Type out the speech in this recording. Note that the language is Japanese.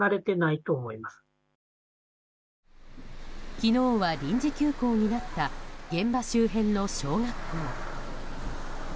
昨日は臨時休校になった現場周辺の小学校。